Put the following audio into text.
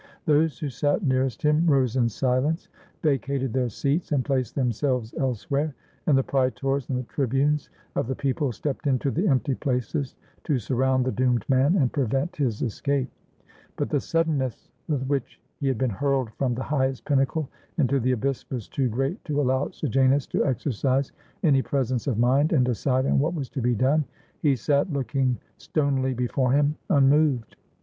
Those who sat nearest him rose in silence, vacated 427 ROME their seats, and placed themselves elsewhere, and the praetors and the tribunes of the people stepped into the empty places to surround the doomed man and prevent his escape. But the suddenness with which he had been hurled from the highest pinnacle into the abyss was too great to allow Sejanus to exercise any presence of mind and decide on what was to be done. He sat, looking stonily before him, unmoved.